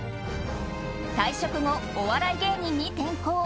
退職後、お笑い芸人に転向。